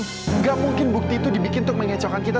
tidak mungkin bukti itu dibikin untuk mengecokkan kita